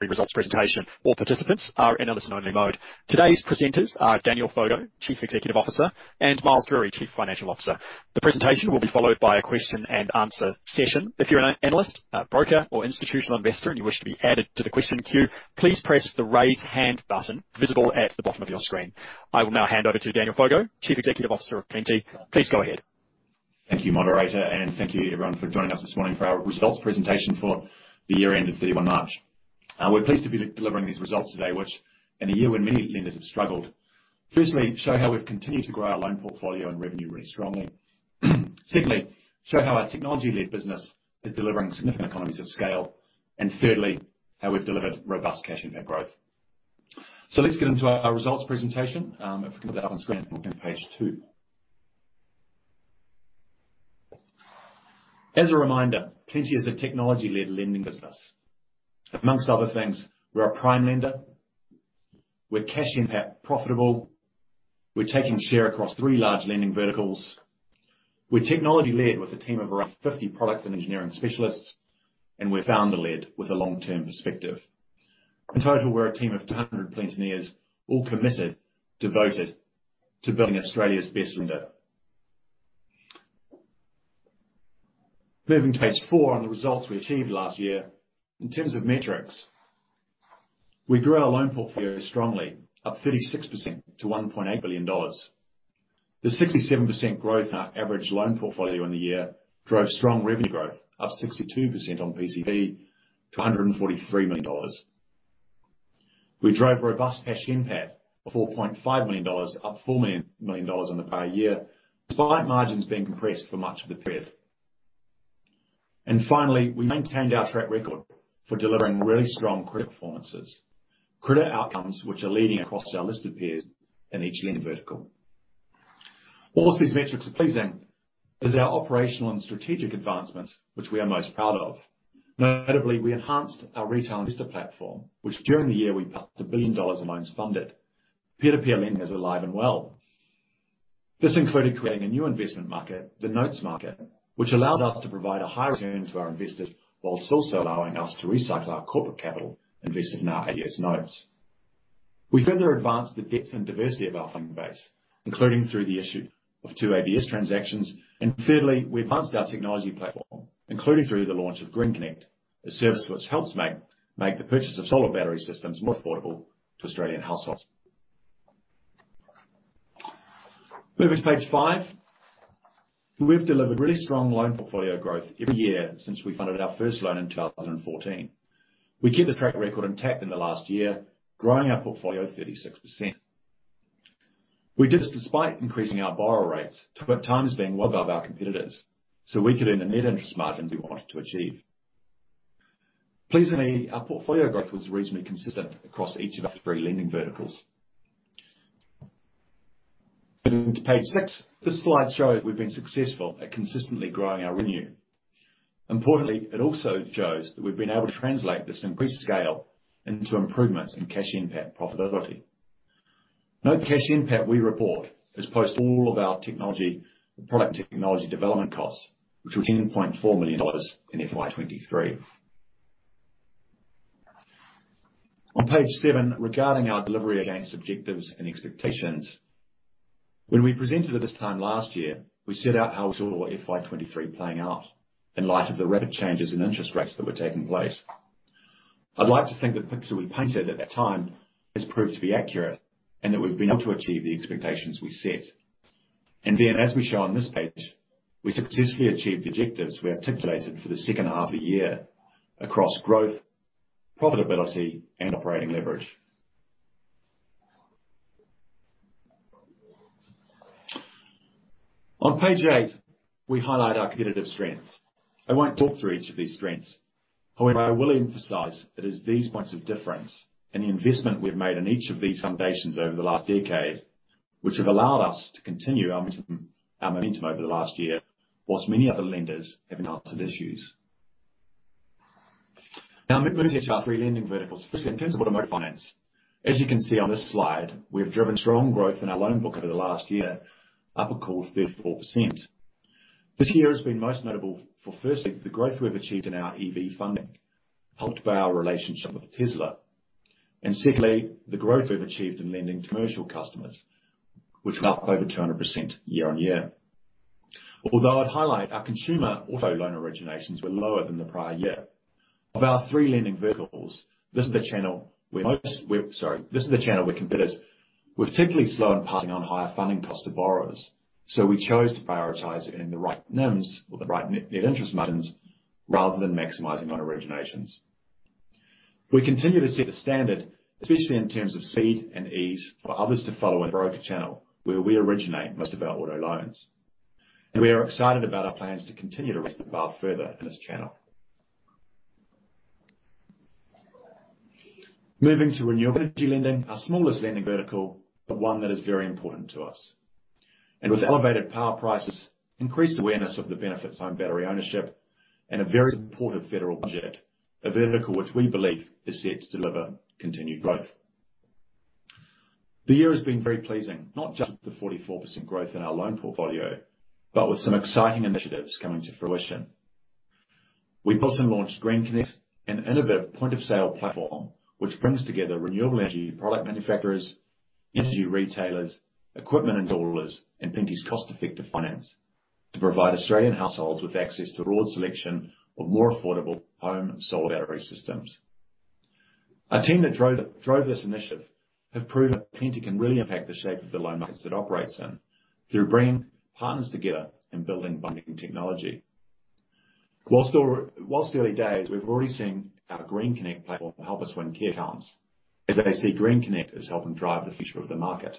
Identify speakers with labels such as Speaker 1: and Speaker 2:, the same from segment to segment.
Speaker 1: Results presentation. All participants are in a listen only mode. Today's presenters are Daniel Foggo, Chief Executive Officer, and Miles Drury, Chief Financial Officer. The presentation will be followed by a question and answer session. If you're an analyst, a broker or institutional investor and you wish to be added to the question queue, please press the Raise Hand button visible at the bottom of your screen. I will now hand over to Daniel Foggo, Chief Executive Officer of Plenti. Please go ahead.
Speaker 2: Thank you, moderator, and thank you everyone for joining us this morning for our results presentation for the year end of 31 March. We're pleased to be delivering these results today, which in a year when many lenders have struggled, firstly, show how we've continued to grow our loan portfolio and revenue really strongly. Secondly, show how our technology-led business is delivering significant economies of scale. Thirdly, how we've delivered robust cash NPAT growth. Let's get into our results presentation, if we can put that up on screen on page two. As a reminder, Plenti is a technology-led lending business. Amongst other things, we're a prime lender, we're cash NPAT profitable, we're taking share across three large lending verticals. We're technology-led with a team of around 50 product and engineering specialists, and we're founder-led with a long-term perspective. In total, we're a team of 200 Plentineers, all committed, devoted to building Australia's best lender. Moving to page four on the results we achieved last year. In terms of metrics, we grew our loan portfolio strongly, up 36% to 1.8 billion dollars. The 67% growth in our average loan portfolio in the year drove strong revenue growth, up 62% on PCP to 143 million dollars. We drove robust Cash NPAT of 4.5 million dollars, up four million dollars on the prior year, despite margins being compressed for much of the period. Finally, we maintained our track record for delivering really strong credit performances. Credit outcomes, which are leading across our listed peers in each lending vertical. All these metrics are pleasing as our operational and strategic advancements which we are most proud of. Notably, we enhanced our retail investor platform, which during the year we passed one billion dollars in loans funded. Peer-to-peer lending is alive and well. This included creating a new investment market, the Notes Market, which allows us to provide a high return to our investors while also allowing us to recycle our corporate capital invested in our ABS notes. We further advanced the depth and diversity of our funding base, including through the issue of two ABS transactions. Thirdly, we advanced our technology platform, including through the launch of Green Connect, a service which helps make the purchase of solar battery systems more affordable to Australian households. Moving to page five. We've delivered really strong loan portfolio growth every year since we funded our first loan in 2014. We kept the track record intact in the last year, growing our portfolio 36%. We did this despite increasing our borrower rates to at times being well above our competitors, so we could earn the net interest margins we wanted to achieve. Pleasingly, our portfolio growth was reasonably consistent across each of our three lending verticals. Moving to page 6. This slide shows we've been successful at consistently growing our revenue. Importantly, it also shows that we've been able to translate this increased scale into improvements in Cash NPAT profitability. Note Cash NPAT we report is post all of our technology, product and technology development costs, which were AUD 10.4 million in FY23. On page 7, regarding our delivery against objectives and expectations. When we presented at this time last year, we set out how we saw our FY23 playing out in light of the rapid changes in interest rates that were taking place. I'd like to think the picture we painted at that time has proved to be accurate and that we've been able to achieve the expectations we set. As we show on this page, we successfully achieved the objectives we articulated for the second half of the year across growth, profitability and operating leverage. On page eight, we highlight our competitive strengths. I won't talk through each of these strengths. I will emphasize it is these points of difference and the investment we've made in each of these foundations over the last decade, which have allowed us to continue our momentum over the last year, whilst many other lenders have encountered issues. Moving to our three lending verticals. Firstly, in terms of automotive finance, as you can see on this slide, we have driven strong growth in our loan book over the last year, up a cool 34%. This year has been most notable for firstly, the growth we've achieved in our EV funding, helped by our relationship with Tesla. Secondly, the growth we've achieved in lending to commercial customers, which went up over 200% year-on-year. Although I'd highlight our consumer auto loan originations were lower than the prior year. Of our three lending verticals, this is the channel where competitors were particularly slow in passing on higher funding costs to borrowers. We chose to prioritize it in the right NIMs or the right net interest margins rather than maximizing on originations. We continue to set the standard, especially in terms of speed and ease for others to follow in broker channel, where we originate most of our auto loans. We are excited about our plans to continue to raise the bar further in this channel. Moving to renewable energy lending, our smallest lending vertical, but one that is very important to us. With elevated power prices, increased awareness of the benefits home battery ownership, and a very supportive federal budget, a vertical which we believe is set to deliver continued growth. The year has been very pleasing, not just with the 44% growth in our loan portfolio, but with some exciting initiatives coming to fruition. We built and launched Green Connect, an innovative point-of-sale platform which brings together renewable energy product manufacturers, energy retailers, equipment installers, and Plenti's cost-effective finance to provide Australian households with access to a broad selection of more affordable home solar battery systems. Our team that drove this initiative have proven Plenti can really impact the shape of the loan markets it operates in through bringing partners together and building binding technology. Whilst the early days, we've already seen our Green Connect platform help us win key accounts as they see Green Connect as helping drive the future of the market.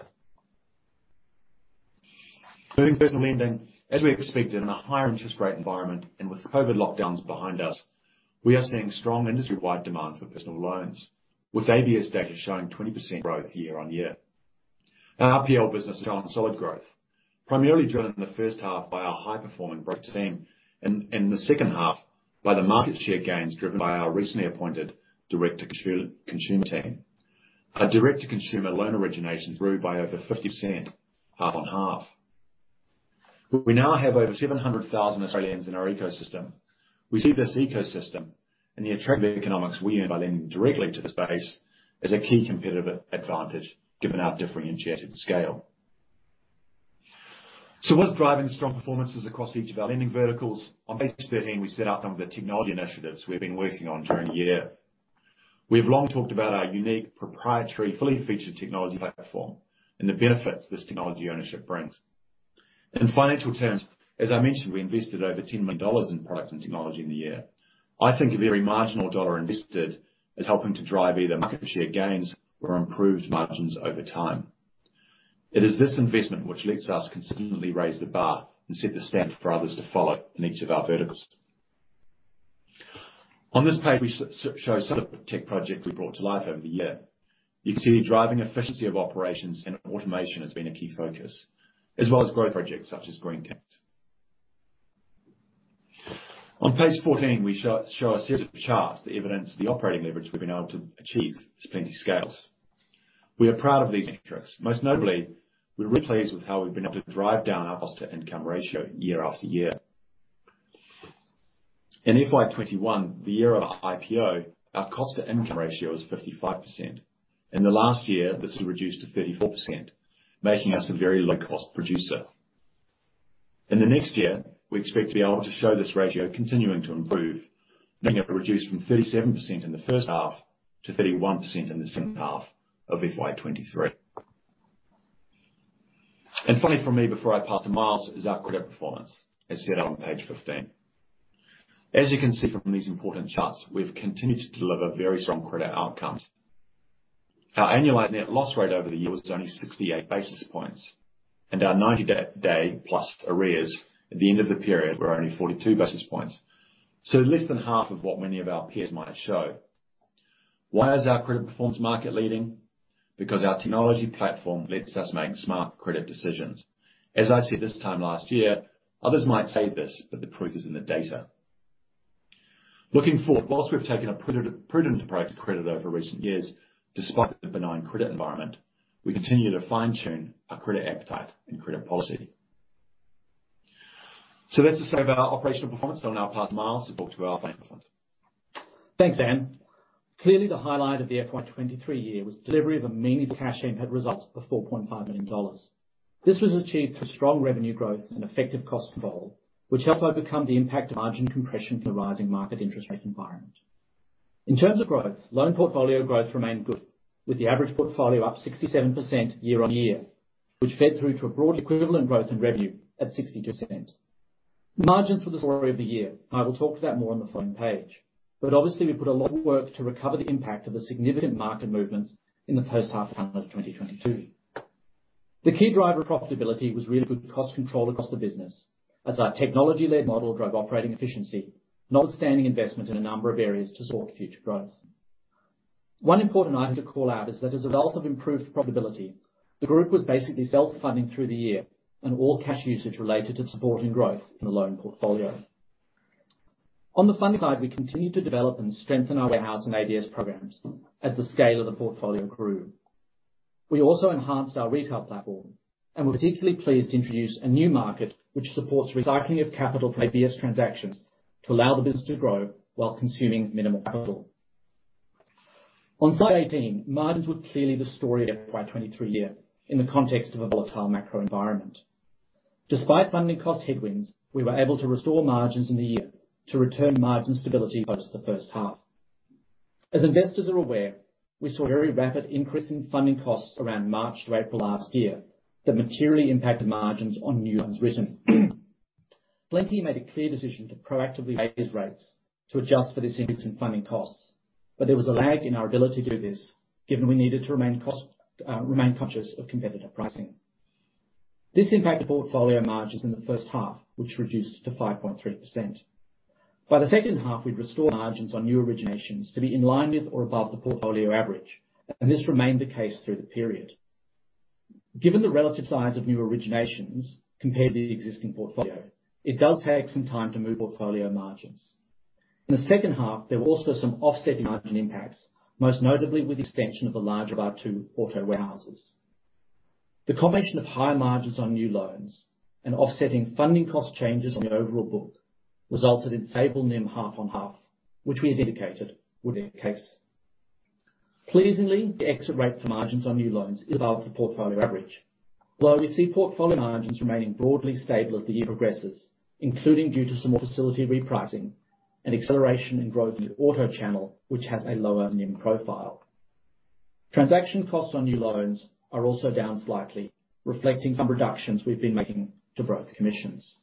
Speaker 2: Moving to personal lending. As we expected in a higher interest rate environment, and with the COVID lockdowns behind us, we are seeing strong industry-wide demand for personal loans, with ABS data showing 20% growth year-on-year. Our RPL business has shown solid growth, primarily driven in the first half by our high-performing broker team, and in the second half by the market share gains driven by our recently appointed direct-to-consumer team. Our direct-to-consumer loan originations grew by over 50% half-on-half. We now have over 700,000 Australians in our ecosystem. We see this ecosystem and the attractive economics we earn by lending directly to the space as a key competitive advantage given our differentiated scale. What's driving the strong performances across each of our lending verticals? On page 13, we set out some of the technology initiatives we've been working on during the year. We've long talked about our unique proprietary, fully featured technology platform and the benefits this technology ownership brings. In financial terms, as I mentioned, we invested over 10 million dollars in product and technology in the year. I think a very marginal dollar invested is helping to drive either market share gains or improved margins over time. It is this investment which lets us consistently raise the bar and set the standard for others to follow in each of our verticals. On this page, we show some of the tech projects we brought to life over the year. You can see driving efficiency of operations and automation has been a key focus, as well as growth projects such as Green Connect. On page 14, we show a series of charts that evidence the operating leverage we've been able to achieve as Plenti scales. We are proud of these metrics. Most notably, we're really pleased with how we've been able to drive down our cost-to-income ratio year after year. In FY21, the year of our IPO, our cost-to-income ratio was 55%. In the last year, this has reduced to 34%, making us a very low-cost producer. In the next year, we expect to be able to show this ratio continuing to improve, being able to reduce from 37% in the first half to 31% in the second half of FY23. Finally for me, before I pass to Myles, is our credit performance, as seen on page 15. As you can see from these important charts, we've continued to deliver very strong credit outcomes. Our annualized net loss rate over the years is only 68 basis points, and our 90-day plus arrears at the end of the period were only 42 basis points. Less than half of what many of our peers might show. Why is our credit performance market-leading? Our technology platform lets us make smart credit decisions. As I said this time last year, others might say this, but the proof is in the data. Looking forward, whilst we've taken a prudent approach to credit over recent years, despite the benign credit environment, we continue to fine-tune our credit appetite and credit policy. That's the state of our operational performance. I'll now pass to Myles to talk through our financial performance.
Speaker 3: Thanks, Dan. Clearly, the highlight of the FY23 year was delivery of a meaningful Cash NPAT results of 4.5 million dollars. This was achieved through strong revenue growth and effective cost control, which helped overcome the impact of margin compression from the rising market interest rate environment. In terms of growth, loan portfolio growth remained good, with the average portfolio up 67% year-on-year, which fed through to a broad equivalent growth in revenue at 60%. Margins were the story of the year. I will talk to that more on the following page. Obviously, we put a lot of work to recover the impact of the significant market movements in the second half of calendar 2022. The key driver of profitability was really good cost control across the business as our technology-led model drove operating efficiency, notwithstanding investment in a number of areas to support future growth. One important item to call out is that as a result of improved profitability, the group was basically self-funding through the year and all cash usage related to supporting growth in the loan portfolio. On the funding side, we continued to develop and strengthen our warehouse and ABS programs as the scale of the portfolio grew. We also enhanced our retail platform and we're particularly pleased to introduce a new market which supports recycling of capital for ABS transactions to allow the business to grow while consuming minimal capital. On slide 18, margins were clearly the story of our FY23 year in the context of a volatile macro environment. Despite funding cost headwinds, we were able to restore margins in the year to return margin stability post the first half. As investors are aware, we saw a very rapid increase in funding costs around March to April last year that materially impacted margins on new loans written. Plenti made a clear decision to proactively raise rates to adjust for this increase in funding costs. There was a lag in our ability to do this given we needed to remain conscious of competitive pricing. This impacted portfolio margins in the first half, which reduced to 5.3%. By the second half, we'd restored margins on new originations to be in line with or above the portfolio average, and this remained the case through the period. Given the relative size of new originations compared to the existing portfolio, it does take some time to move portfolio margins. In the second half, there were also some offsetting margin impacts, most notably with the expansion of the larger of our two auto warehouses. The combination of higher margins on new loans and offsetting funding cost changes on the overall book resulted in stable NIM half on half, which we had indicated would be the case. Pleasingly, the exit rate for margins on new loans is above the portfolio average. We see portfolio margins remaining broadly stable as the year progresses, including due to some more facility repricing and acceleration in growth in the auto channel, which has a lower NIM profile. Transaction costs on new loans are also down slightly, reflecting some reductions we've been making to broker commissions.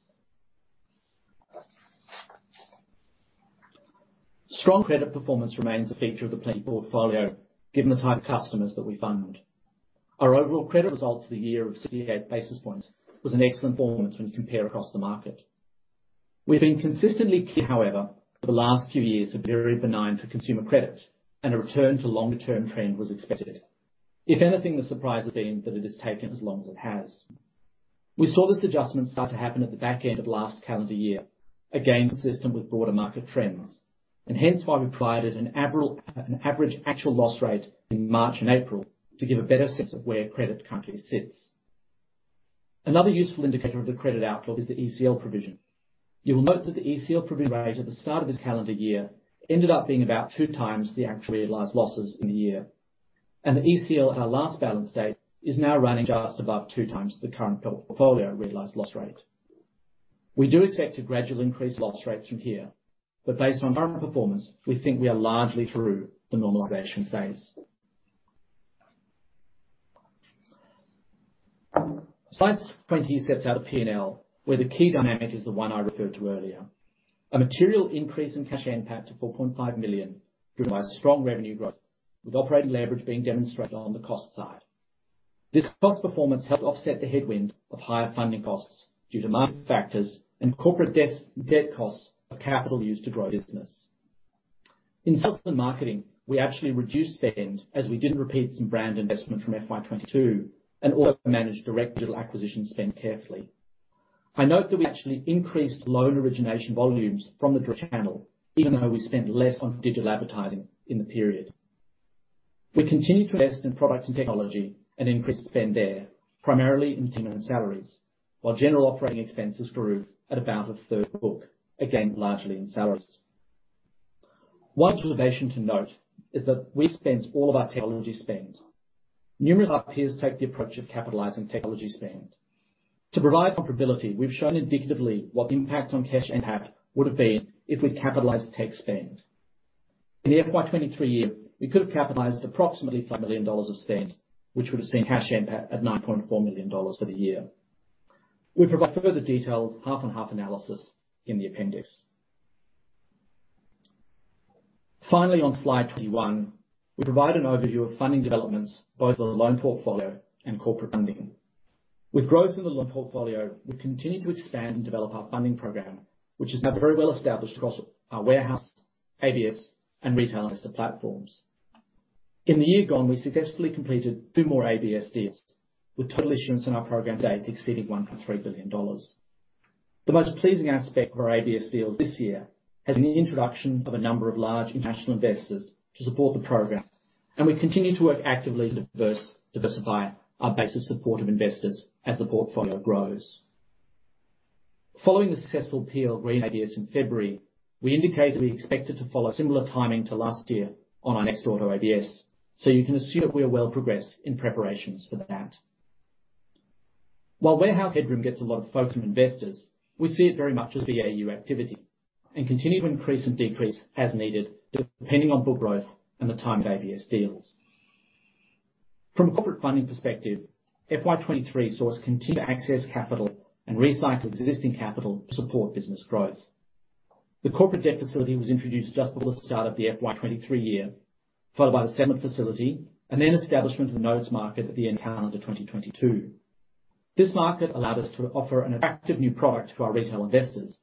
Speaker 3: Strong credit performance remains a feature of the Plenti portfolio, given the type of customers that we fund. Our overall credit result for the year of 68 basis points was an excellent performance when you compare across the market. We've been consistently clear, however, the last few years have been very benign for consumer credit, and a return to longer-term trend was expected. If anything, the surprise has been that it has taken as long as it has. We saw this adjustment start to happen at the back end of last calendar year, again, consistent with broader market trends, and hence why we provided an average actual loss rate in March and April to give a better sense of where credit currently sits. Another useful indicator of the credit outlook is the ECL provision. You will note that the ECL provision rate at the start of this calendar year ended up being about two times the actual realized losses in the year, and the ECL at our last balance date is now running just above two times the current portfolio realized loss rate. We do expect to gradually increase loss rates from here, but based on environmental performance, we think we are largely through the normalization phase. Slide 20 sets out the P&L, where the key dynamic is the one I referred to earlier. A material increase in cash NPAT to 4.5 million, driven by strong revenue growth, with operating leverage being demonstrated on the cost side. This cost performance helped offset the headwind of higher funding costs due to market factors and corporate debt costs of capital used to grow business. In sales and marketing, we actually reduced spend as we didn't repeat some brand investment from FY22. Also managed direct digital acquisition spend carefully. I note that we actually increased loan origination volumes from the direct channel, even though we spent less on digital advertising in the period. We continued to invest in product and technology and increased spend there, primarily in team and salaries, while general operating expenses grew at about a third of book, again, largely in salaries. One observation to note is that we spent all of our technology spend. Numerous peers take the approach of capitalizing technology spend. To provide comparability, we've shown indicatively what the impact on Cash NPAT would've been if we'd capitalized tech spend. In the FY23 year, we could have capitalized approximately five million dollars of spend, which would've seen Cash NPAT at 9.4 million dollars for the year. We provide further detailed half-on-half analysis in the appendix. On slide 21, we provide an overview of funding developments both on the loan portfolio and corporate funding. With growth in the loan portfolio, we've continued to expand and develop our funding program, which is now very well established across our warehouse, ABS, and retail investor platforms. In the year gone, we successfully completed two more ABS deals, with total issuance in our program to date exceeding 1.3 billion dollars. The most pleasing aspect of our ABS deals this year has been the introduction of a number of large international investors to support the program, and we continue to work actively to diversify our base of supportive investors as the portfolio grows. Following the successful deal of Green ABS in February, we indicated we expected to follow similar timing to last year on our next auto ABS, so you can assume that we are well progressed in preparations for that. While warehouse headroom gets a lot of focus from investors, we see it very much as BAU activity and continue to increase and decrease as needed, depending on book growth and the timed ABS deals. From a corporate funding perspective, FY23 saw us continue to access capital and recycle existing capital to support business growth. The corporate debt facility was introduced just before the start of the FY23 year, followed by the second facility and establishment of the Notes Market at the end of calendar 2022. This market allowed us to offer an attractive new product to our retail investors,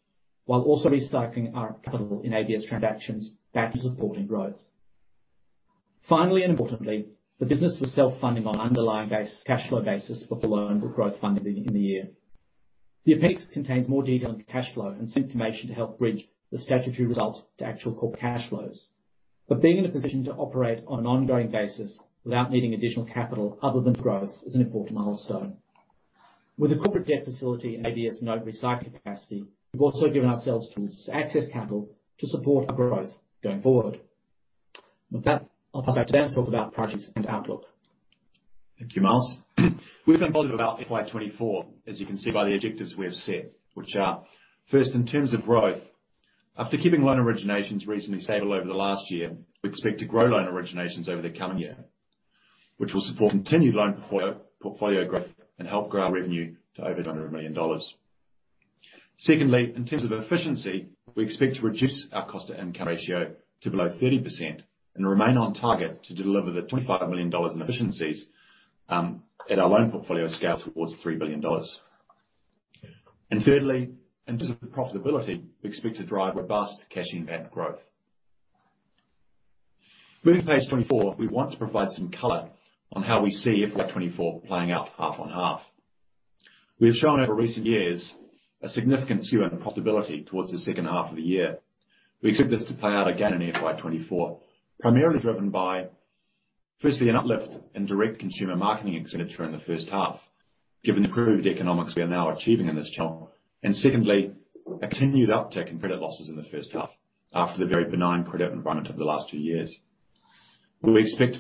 Speaker 3: while also recycling our capital in ABS transactions back to supporting growth. Importantly, the business was self-funding on an underlying cash flow basis for the loan book growth funding in the year. The appendix contains more detail on cash flow and some information to help bridge the statutory result to actual core cash flows. Being in a position to operate on an ongoing basis without needing additional capital other than growth is an important milestone. With the corporate debt facility and ABS note recycling capacity, we've also given ourselves tools to access capital to support our growth going forward. With that, I'll pass back to Dan to talk about prospects and outlook.
Speaker 2: Thank you, Myles. We've been positive about FY24, as you can see by the objectives we have set, which are, first, in terms of growth. After keeping loan originations reasonably stable over the last year, we expect to grow loan originations over the coming year, which will support continued loan portfolio growth and help grow our revenue to over 100 million dollars. Secondly, in terms of efficiency, we expect to reduce our cost-to-income ratio to below 30% and remain on target to deliver 25 million dollars in efficiencies as our loan portfolio scales towards three billion dollars. Thirdly, in terms of profitability, we expect to drive robust Cash NPAT growth. Moving to page 24, we want to provide some color on how we see FY24 playing out half on half. We have shown over recent years a significant shift in profitability towards the second half of the year. We expect this to play out again in FY24, primarily driven by, firstly, an uplift in direct-to-consumer marketing expenditure in the first half, given the improved economics we are now achieving in this channel. Secondly, a continued uptick in credit losses in the first half after the very benign credit environment of the last two years. We expect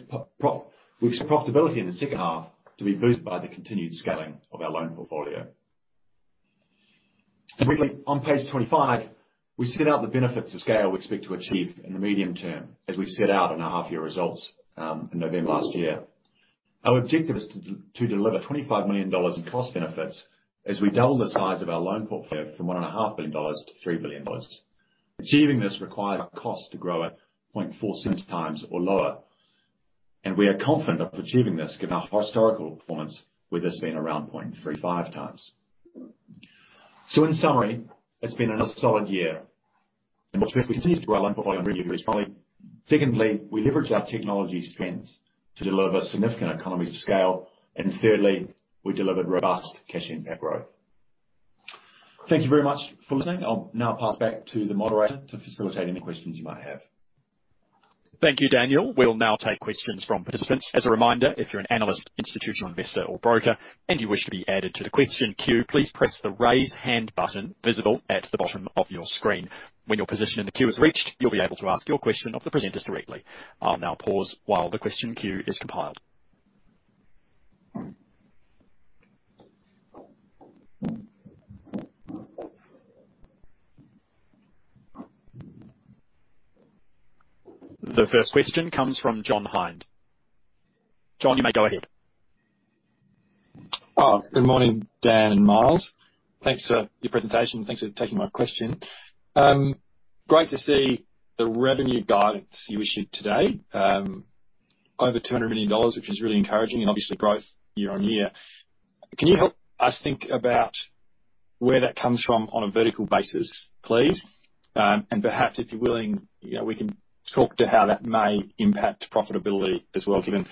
Speaker 2: profitability in the second half to be boosted by the continued scaling of our loan portfolio. Briefly, on page 25, we set out the benefits of scale we expect to achieve in the medium term as we set out in our half year results in November last year. Our objective is to deliver 25 million dollars in cost benefits as we double the size of our loan portfolio from one and a half billion dollars to three billion dollars. Achieving this requires our cost to grow at 0.46 times or lower, we are confident of achieving this given our historical performance, with this being around 0.35 times. In summary, it's been another solid year in which we continue to grow our loan portfolio and revenue strongly. Secondly, we leveraged our technology strengths to deliver significant economies of scale. Thirdly, we delivered robust Cash NPAT growth. Thank you very much for listening. I'll now pass back to the moderator to facilitate any questions you might have.
Speaker 1: Thank you, Daniel. We'll now take questions from participants. As a reminder, if you're an analyst, institutional investor or broker, you wish to be added to the question queue, please press the Raise Hand button visible at the bottom of your screen. When your position in the queue is reached, you'll be able to ask your question of the presenters directly. I'll now pause while the question queue is compiled. The first question comes from John Hind. John, you may go ahead.
Speaker 4: Good morning, Dan and Miles. Thanks for your presentation. Thanks for taking my question. Great to see the revenue guidance you issued today, 200 million dollars, which is really encouraging and obviously growth year-on-year. Can you help us think about where that comes from on a vertical basis, please? Perhaps if you're willing, you know, we can talk to how that may impact profitability as well, given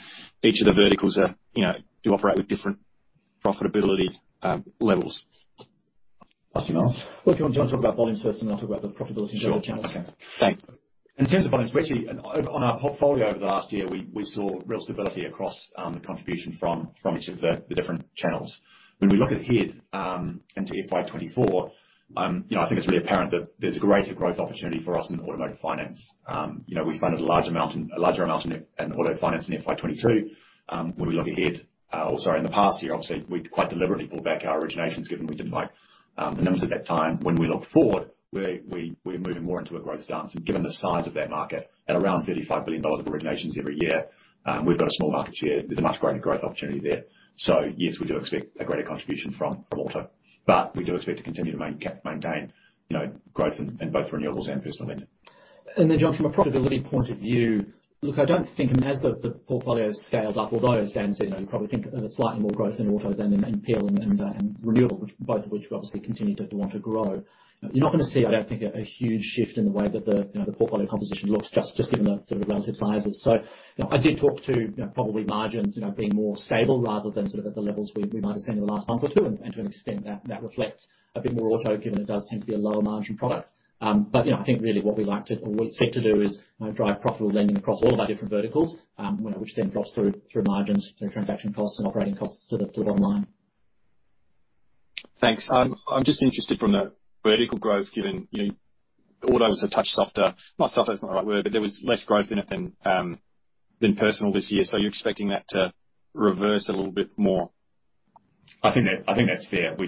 Speaker 4: each of the verticals, you know, do operate with different profitability levels.
Speaker 2: Ask you, Miles. Well, if you want, John, talk about volumes first, and then I'll talk about the profitability of the channels.
Speaker 4: Sure. Thanks.
Speaker 2: In terms of volumes, we actually, on our portfolio over the last year, we saw real stability across the contribution from each of the different channels. When we look ahead into FY24, you know, I think it's really apparent that there's a greater growth opportunity for us in the automotive finance. You know, we funded a large amount, a larger amount in auto finance in FY22. When we look ahead, or sorry, in the past year, obviously, we quite deliberately pulled back our originations given we didn't like the numbers at that time. When we look forward, we're moving more into a growth stance. Given the size of that market at around 35 billion dollars of originations every year, we've got a small market share. There's a much greater growth opportunity there. Yes, we do expect a greater contribution from auto, but we do expect to continue to maintain, you know, growth in both renewables and personal lending. John, from a profitability point of view, I don't think. As the portfolio's scaled up, although as Dan said, you know, you probably think of it slightly more growth in auto than in peer and renewable, which both of which we obviously continue to want to grow. You're not gonna see, I don't think, a huge shift in the way that the, you know, the portfolio composition looks just given the sort of relative sizes. You know, I did talk to, you know, probably margins, you know, being more stable rather than sort of at the levels we might've seen in the last month or two. To an extent that reflects a bit more auto, given it does tend to be a lower margin product. You know, I think really what we like to or we seek to do is, you know, drive profitable lending across all of our different verticals, you know, which then drops through margins, through transaction costs and operating costs to the bottom line.
Speaker 4: Thanks. I'm just interested from the vertical growth, given, you know, auto's a touch softer. Not softer, it's not the right word, but there was less growth in it than personal this year. You're expecting that to reverse a little bit more?
Speaker 2: I think that's fair. We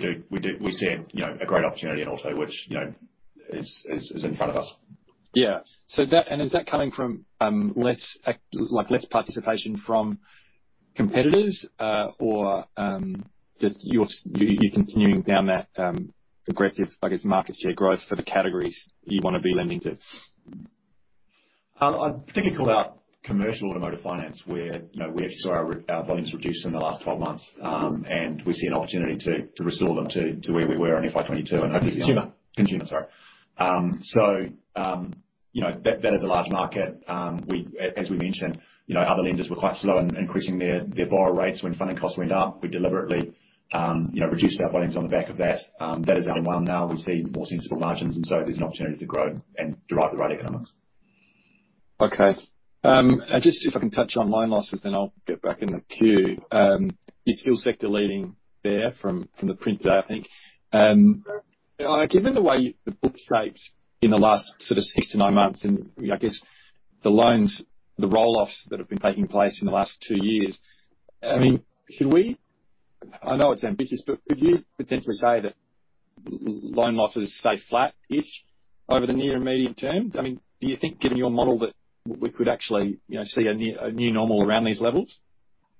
Speaker 2: see a, you know, a great opportunity in auto, which you know is in front of us.
Speaker 4: Yeah. That is that coming from less participation from competitors, or just continuing down that aggressive, I guess, market share growth for the categories you wanna be lending to?
Speaker 2: I particularly called out commercial automotive finance, where, you know, we actually saw our volumes reduce in the last 12 months. We see an opportunity to restore them to where we were in FY22 and.
Speaker 4: Okay.
Speaker 2: Consumer, sorry. You know, that is a large market. We, as we mentioned, you know, other lenders were quite slow in increasing their borrower rates when funding costs went up. We deliberately, you know, reduced our volumes on the back of that. That is leveling well now. We see more sensible margins. There's an opportunity to grow and derive the right economics.
Speaker 4: Okay. Just if I can touch on loan losses, then I'll get back in the queue. You're still sector leading there from the print today, I think. Given the way the book's shaped in the last sort of six to nine months, and I guess the loans, the roll-offs that have been taking place in the last two years, I mean, should we... I know it's ambitious, but could you potentially say that loan losses stay flat-ish over the near and medium term? I mean, do you think, given your model, that we could actually, you know, see a new normal around these levels?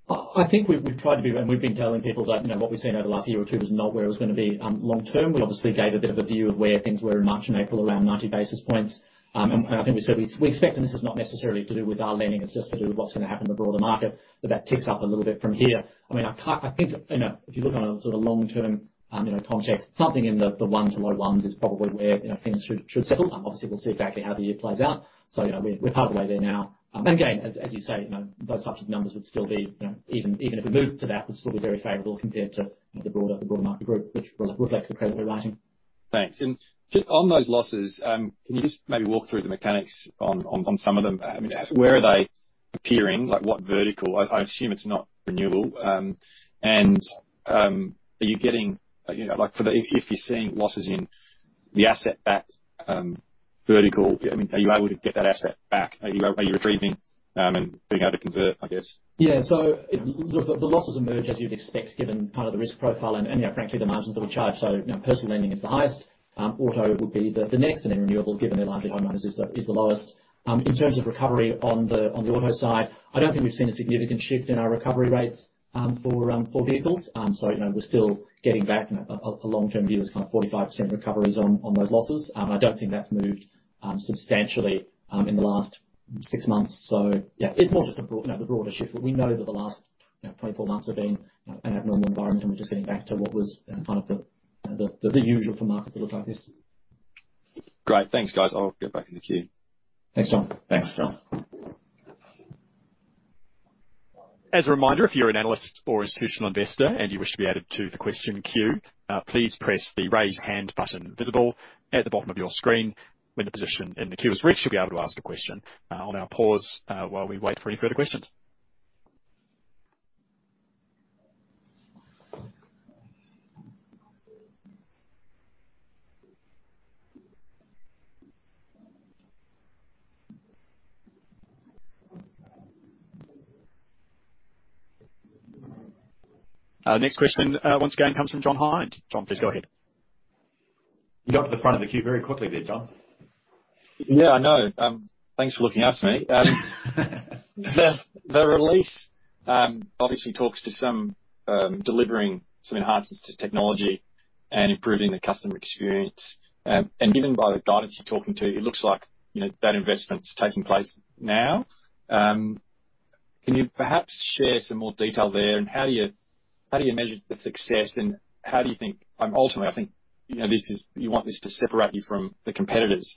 Speaker 2: I think we've tried to be, and we've been telling people that, you know, what we've seen over the last year or two is not where it was gonna be long term. We obviously gave a bit of a view of where things were in March and April, around 90 basis points. I think we said we expect, and this is not necessarily to do with our lending, it's just to do with what's gonna happen in the broader market, that ticks up a little bit from here. I mean, I can't. I think, you know, if you look on a sort of long-term, you know, context, something in the one to low 1s is probably where, you know, things should settle. Obviously, we'll see exactly how the year plays out. You know, we're part of the way there now. As you say, you know, those types of numbers would still be, you know, even if we moved to that, would still be very favorable compared to, you know, the broader market group, which reflects the credit we're writing.
Speaker 4: Thanks. Just on those losses, can you just maybe walk through the mechanics on some of them? I mean, where are they appearing? Like what vertical? I assume it's not renewable. Are you getting, you know, like for the... If you're seeing losses in the asset back, vertical, I mean, are you able to get that asset back? Are you retrieving, and being able to convert, I guess?
Speaker 2: Yeah. The, the losses emerge as you'd expect, given kind of the risk profile and yeah, frankly, the margins that we charge. You know, personal lending is the highest. Auto would be the next, and then renewable, given their larger home owners is the, is the lowest. In terms of recovery on the, on the auto side, I don't think we've seen a significant shift in our recovery rates for vehicles. You know, we're still getting back a long-term view. There's kind of 45% recoveries on those losses. I don't think that's moved substantially in the last six months. Yeah, it's more just the broad, you know, the broader shift. We know that the last, you know, 24 months have been, you know, an abnormal environment, and we're just getting back to what was, you know, kind of the usual for markets that look like this.
Speaker 4: Great. Thanks, guys. I'll get back in the queue.
Speaker 2: Thanks, John.
Speaker 3: Thanks, John.
Speaker 1: As a reminder, if you're an analyst or institutional investor and you wish to be added to the question queue, please press the Raise Hand button visible at the bottom of your screen. When a position in the queue is reached, you'll be able to ask a question. I'll now pause while we wait for any further questions. Next question once again comes from John Hind. John, please go ahead.
Speaker 2: You got to the front of the queue very quickly there, John.
Speaker 4: Yeah, I know. Thanks for looking after me. The release obviously talks to some delivering some enhancements to technology and improving the customer experience. Given by the guidance you're talking to, it looks like, you know, that investment's taking place now. Can you perhaps share some more detail there? How do you measure the success, and how do you think? Ultimately, I think, you know, you want this to separate you from the competitors.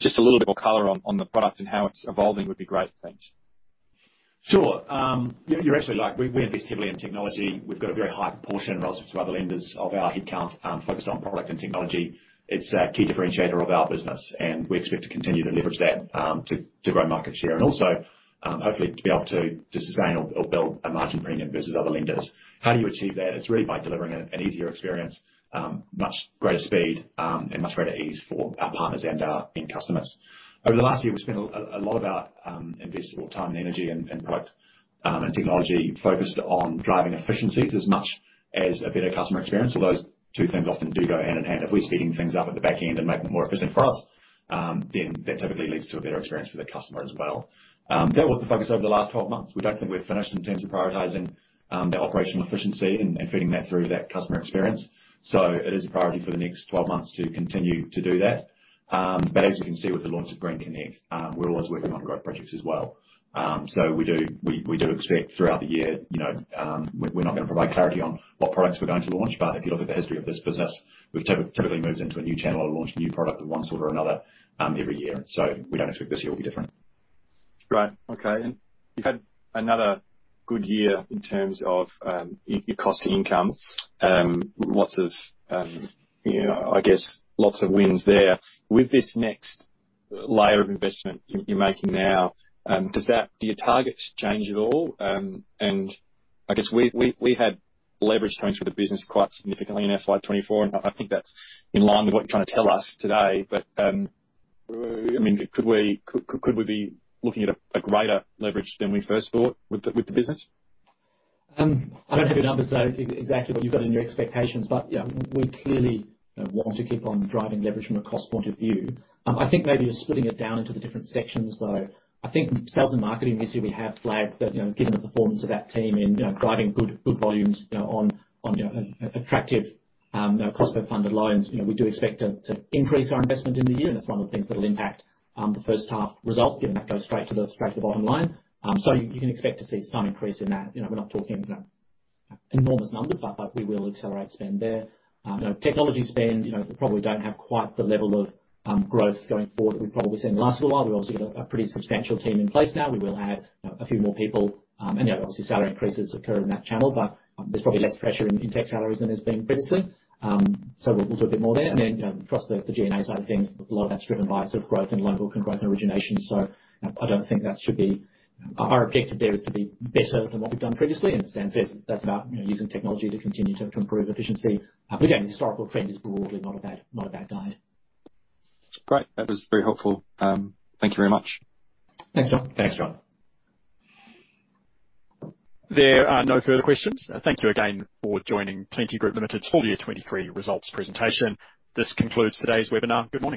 Speaker 4: Just a little bit more color on the product and how it's evolving would be great. Thanks.
Speaker 2: Sure. Yeah, you're actually right. We invest heavily in technology. We've got a very high proportion relative to other lenders of our headcount focused on product and technology. It's a key differentiator of our business, and we expect to continue to leverage that to grow market share and also hopefully to be able to just sustain or build a margin premium versus other lenders. How do you achieve that? It's really by delivering an easier experience, much greater speed, and much greater ease for our partners and our end customers. Over the last year, we've spent a lot of our investable time and energy and product and technology focused on driving efficiencies as much as a better customer experience. Although those two things often do go hand in hand. We're speeding things up at the back end and making it more efficient for us, then that typically leads to a better experience for the customer as well. That was the focus over the last 12 months. We don't think we're finished in terms of prioritizing, the operational efficiency and feeding that through that customer experience. It is a priority for the next 12 months to continue to do that. As you can see with the launch of Green Connect, we're always working on growth projects as well. We do expect throughout the year, you know, we're not gonna provide clarity on what products we're going to launch. If you look at the history of this business, we've typically moved into a new channel or launched a new product of one sort or another, every year. We don't expect this year will be different.
Speaker 4: Great. Okay. You've had another good year in terms of your cost-to-income. Lots of, you know, I guess lots of wins there. With this next layer of investment you're making now, Do your targets change at all? I guess we had leverage coming through the business quite significantly in FY24, and I think that's in line with what you're trying to tell us today. I mean, could we be looking at a greater leverage than we first thought with the, with the business?
Speaker 2: I don't have your numbers, so exactly what you've got in your expectations, but yeah, we clearly want to keep on driving leverage from a cost point of view. I think maybe just splitting it down into the different sections though. I think sales and marketing this year we have flagged that, you know, given the performance of that team in, you know, driving good volumes, you know, on, you know, attractive cost per funded loans, you know, we do expect to increase our investment in the year, and that's one of the things that'll impact the first half result, given that goes straight to the bottom line. So you can expect to see some increase in that. You know, we're not talking, you know, enormous numbers, but we will accelerate spend there. you know, technology spend, you know, we probably don't have quite the level of growth going forward that we probably saw in the last little while. We've obviously got a pretty substantial team in place now. We will add, you know, a few more people, and yeah, obviously salary increases occur in that channel, but there's probably less pressure in tech salaries than there's been previously. We'll do a bit more there. you know, across the G&A side of things, a lot of that's driven by sort of growth in loan book and growth in origination. I don't think. Our objective there is to be better than what we've done previously, and as Dan says, that's about, you know, using technology to continue to improve efficiency. Again, the historical trend is broadly not a bad guide.
Speaker 4: Great. That was very helpful. Thank you very much.
Speaker 2: Thanks, John.
Speaker 3: Thanks, John.
Speaker 1: There are no further questions. Thank you again for joining Plenti Group Limited's Full Year 2023 Results Presentation. This concludes today's webinar. Good morning.